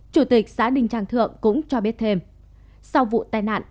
chủ tịch xã đình trang thượng cũng cho biết thêm sau vụ tai nạn ngày một mươi bốn tháng hai